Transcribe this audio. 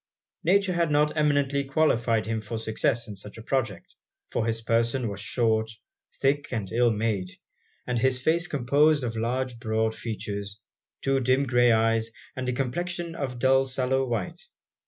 Nature had not eminently qualified him for success in such a project; for his person was short, thick, and ill made, and his face composed of large broad features, two dim grey eyes, and a complexion of a dull sallow white.